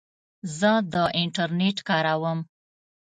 زه د انټرنیټ کاروم.